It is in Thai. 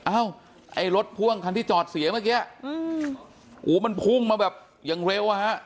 ไอ้รถพ่วงที่จอดเสียเมื่อกี้มันพุ่งมาแบบอย่างเร็ว